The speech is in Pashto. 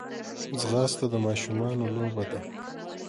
ځغاسته د ماشومانو لوبه ده